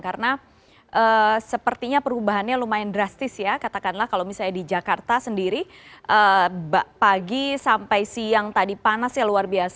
karena sepertinya perubahannya lumayan drastis ya katakanlah kalau misalnya di jakarta sendiri pagi sampai siang tadi panas ya luar biasa